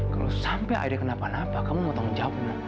kalau sampai aida kenapa napa kamu mau tanggung jawab mbak